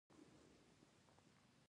اوس سوریه کې جګړې او ګډوډۍ دي.